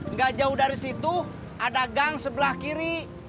nggak jauh dari situ ada gang sebelah kiri